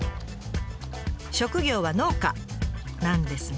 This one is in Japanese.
職業は農家なんですが。